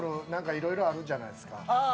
いろいろあるじゃないですか。